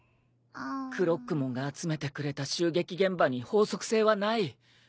クロックモンが集めてくれた襲撃現場に法則性はない。